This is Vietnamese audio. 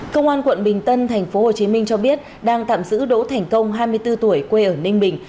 công an quận bình tân tp hcm cho biết đang tạm giữ đỗ thành công hai mươi bốn tuổi quê ở ninh bình